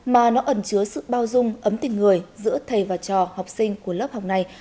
mà nó ẩn chứa sự bao dung ấm tình người giữa thầy và trò học sinh của lớp học này